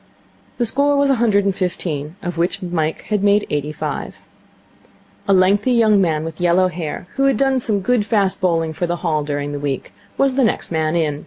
The score was a hundred and fifteen, of which Mike had made eighty five. A lengthy young man with yellow hair, who had done some good fast bowling for the Hall during the week, was the next man in.